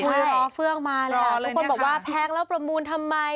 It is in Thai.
รอเฟื่องมาเลยแล้วทุกคนบอกว่าแพงแล้วประมูลทำไม